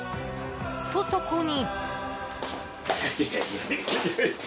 と、そこに。